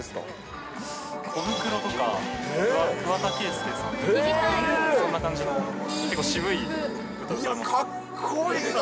コブクロとか、桑田佳祐さんとか、そんな感じの、かっこいい。